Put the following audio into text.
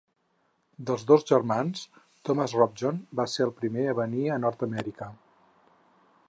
Dels dos germans, Thomas Robjohn va ser el primer a venir a Nord Amèrica.